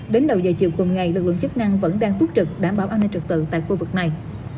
đến đầu giờ chiều cùng ngày lực lượng chức năng vẫn đang túc trực đảm bảo an ninh trực tự tại khu vực này